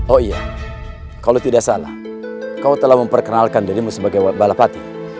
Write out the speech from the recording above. oh iya kalau tidak salah kau telah memperkenalkan dirimu sebagai balapati